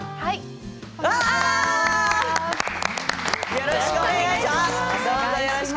よろしくお願いします。